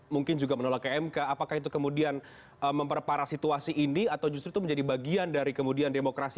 mungkin juga menolak ke mk apakah itu kemudian memperparah situasi ini atau justru itu menjadi bagian dari kemudian demokrasi